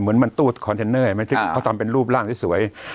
เหมือนมันตู้คอนเทนเนอร์เห็นไหมซึ่งเขาทำเป็นรูปร่างสวย